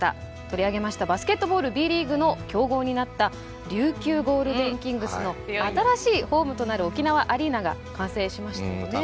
取り上げましたバスケットボールＢリーグの強豪になった琉球ゴールデンキングスの新しいホームとなる沖縄アリーナが完成しましたよね。